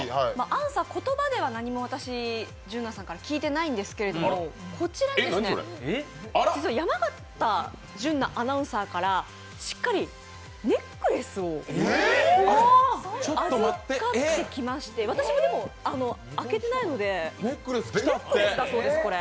言葉では何も私、純菜さんから聞いてないんですけどこちらに実は山形純菜アナウンサーからしっかりネックレスを預かってきまして、私も、でも開けてないのでネックレスだそうです、これ。